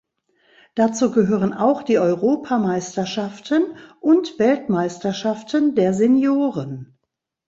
Dazu gehören auch die Europameisterschaften und Weltmeisterschaften der Senioren.